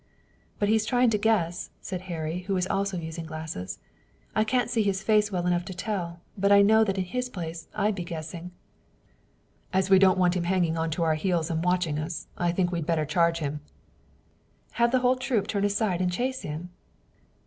"But he's trying to guess," said Harry, who was also using glasses. "I can't see his face well enough to tell, but I know that in his place I'd be guessing." "As we don't want him hanging on to our heels and watching us, I think we'd better charge him." "Have the whole troop turn aside and chase him?"